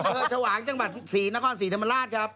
อำเภอชวางจังหวัด๔นคร๔ธรรมราชครับ